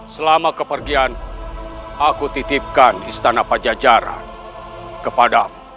selama kepergian aku titipkan istana pajajaran kepadamu